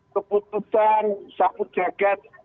keputusan sabut jagad